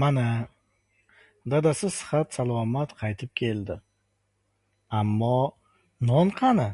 Mana, dadasi sihat-salomat qaytib keldi, ammo non qani?!